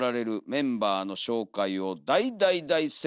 メンバーの紹介を大・大・大説明します。